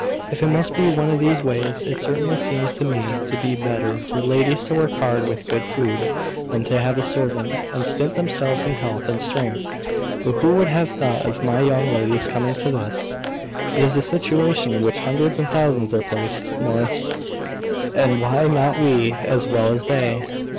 "If it must be one of these ways, it certainly seems to me to be better for ladies to work hard with good food, than to have a servant, and stint themselves in health and strength. But who would have thought of my young ladies coming to this?" "It is a situation in which hundreds and thousands are placed, Morris; and why not we, as well as they?"